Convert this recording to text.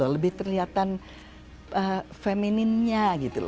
lebih terlihat femininnya